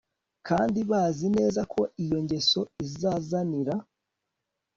kandi bazi neza ko iyo ngeso izazanira